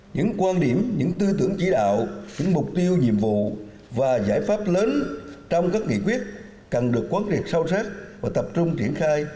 những quan điểm những tư tưởng chỉ đạo những mục tiêu nhiệm vụ và giải pháp lớn trong các nghị quyết cần được quán triệt sâu sắc và tập trung triển khai